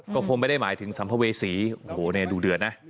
ก็คงไม่ได้หมายถึงสัมภเวษีโอ้โหดูเดือดนะ